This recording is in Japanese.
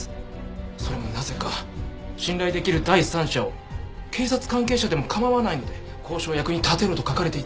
それもなぜか「信頼できる第三者を警察関係者でも構わないので交渉役に立てろ」と書かれていて。